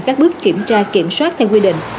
các bước kiểm soát theo quy định